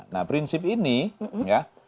nah prinsip ini ya